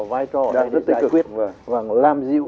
vai trò để giải quyết và làm dịu